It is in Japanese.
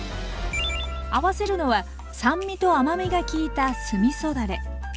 合わせるのは酸味と甘みが効いた酢みそだれ。